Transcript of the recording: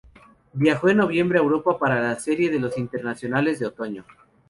Viajó en noviembre a Europa para la serie de los Internacionales de Otoño.